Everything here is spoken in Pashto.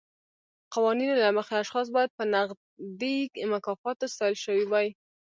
قوانینو له مخې اشخاص باید په نغدي مکافاتو ستایل شوي وای.